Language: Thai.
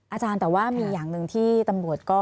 อาจารย์แต่ว่ามีอย่างหนึ่งที่ตำรวจก็